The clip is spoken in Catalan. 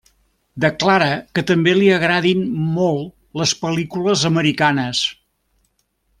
Declara que també li agradin molt les pel·lícules americanes.